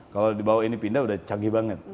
kalau di bawah ini pindah udah canggih banget